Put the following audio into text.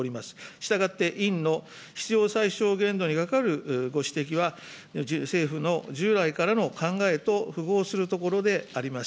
したがって、委員の必要最小限度にかかるご指摘は、政府の従来からの考えと符合するところであります。